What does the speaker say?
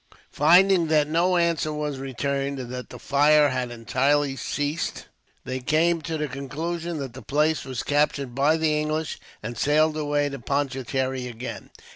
Finding that no answer was returned, and that the fire had entirely ceased, they came to the conclusion that the place was captured by the English, and sailed away to Pondicherry again.